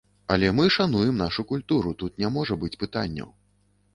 Але мы шануем нашу культуру, тут не можа быць пытанняў.